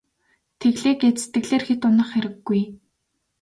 Тэглээ гээд сэтгэлээр хэт унах хэрэггүй.